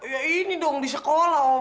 ya ini dong di sekolah